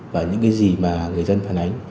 và những cái gì mà người dân phản ánh